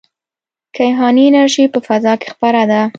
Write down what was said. کیهاني انرژي په فضا کې خپره ده.